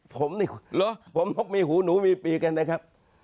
ผมนี่ผมนกมีหูหนูมีปีกนะครับ